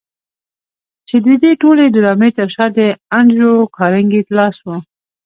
چې د دې ټولې ډرامې تر شا د انډريو کارنګي لاس و.